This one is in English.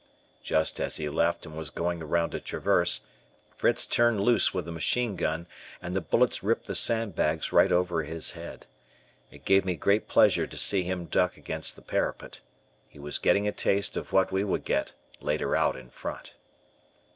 Just as he left and was going around a traverse, Fritz turned loose with a machine gun and the bullets ripped the sandbags right over his head. It gave me great pleasure to see him duck against the parapet. He was getting a taste of what we would get later out in front.